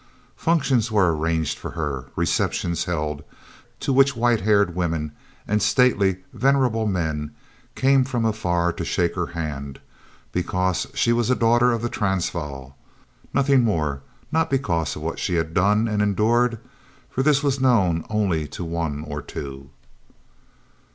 Functions were arranged for her, receptions held, to which white haired women and stately venerable men came from far to shake her hand, because she was a daughter of the Transvaal, nothing more not because of what she had done and endured, for this was known to only one or two.